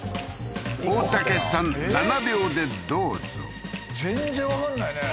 大竹さん７秒でどうぞ全然わかんないね